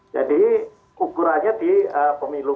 jadi ukurannya di pemilu